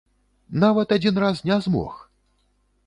Нават адзін раз не змог!